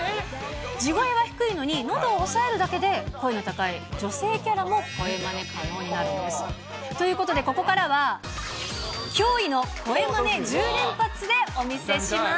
地声は低いのに、のどを押さえるだけで声の高い女性キャラも可能になるんです。ということで、驚異の声まね１０連発でお見せします。